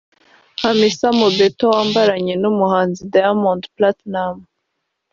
Hamisa Mobetto wabyaranye n’umuhanzi Diamond Platnumz